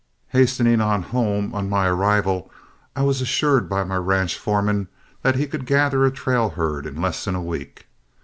Hastening on home, on my arrival I was assured by my ranch foreman that he could gather a trail herd in less than a week.